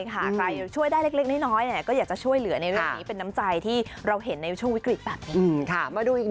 ใครช่วยได้เล็กน้อยก็อยากจะช่วยเหลือในเรื่องนี้เป็นน้ำใจที่เราเห็นในช่วงวิกฤตแบบนี้